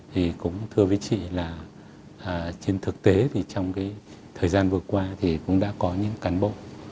thì cũng thưa với chị là trên thực tế thì trong cái thời gian vừa qua thì cũng đã có những cán bộ